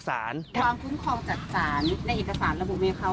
การคุ้นครองจัดสารในกษารระบวงเม๑๙๙๐นะครับ